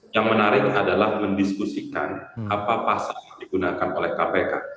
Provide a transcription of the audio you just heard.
yang menarik adalah mendiskusikan apa pasal yang digunakan oleh kpk